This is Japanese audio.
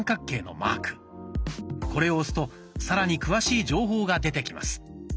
これを押すとさらに詳しい情報が出てきます。